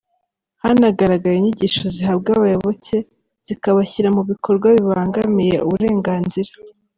Hanagaragaye inyigisho zihabwa abayoboke zikabashyira mu bikorwa bibangamiye uburenganzira